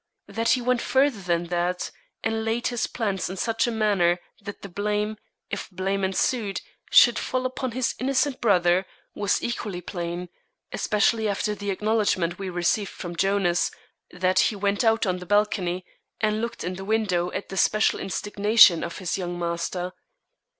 That he went further than that, and laid his plans in such a manner that the blame, if blame ensued, should fall upon his innocent brother, was equally plain, especially after the acknowledgment we received from Jonas, that he went out on the balcony and looked in the window at the special instigation of his young master.